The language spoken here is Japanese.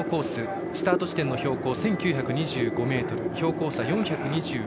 スタート地点の標高は１９２５ｍ、標高差４２４ｍ。